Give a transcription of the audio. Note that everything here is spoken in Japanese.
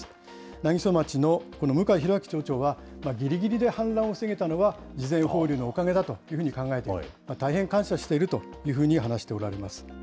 南木曽町の向井裕明町長は、ぎりぎりで氾濫を防げたのは、事前放流のおかげだというふうに考えている、大変感謝しているというふうに話しておられます。